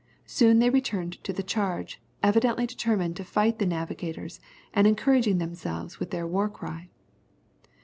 Soon they returned to the charge, evidently determined to fight the navigators, and encouraging themselves with their war cry."